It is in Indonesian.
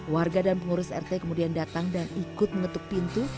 warga dan pengurus rt kemudian datang dan ikut mengetuk pintu